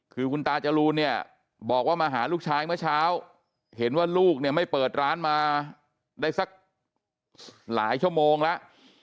คือคุณตาจรูนเนี่ยบอกว่ามาหาลูกชายเมื่อเช้าเห็นว่าลูกเนี่ยไม่เปิดร้านมาได้สักหลายชั่วโมงแล้ว